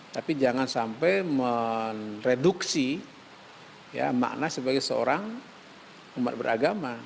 tapi jangan sampai mereduksi makna sebagai seorang umat beragama